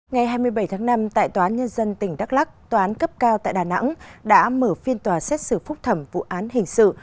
ngày hai mươi bảy tháng năm tại tòa án nhân dân tỉnh đắk lắc tòa án cấp cao tại đà nẵng đã mở phiên tòa xét xử phúc thẩm vụ án hình sự